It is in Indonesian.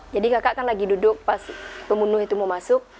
jadi kakak kan lagi duduk pas pembunuh itu mau masuk